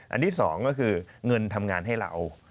อันที่๒ก็คือเงินทำงานให้เรา